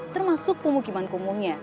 termasuk pemukiman kumumnya